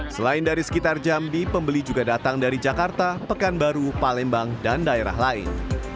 selain dari sekitar jambi pembeli juga datang dari jakarta pekanbaru palembang dan daerah lain